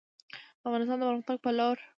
افغانستان د پرمختګ په لور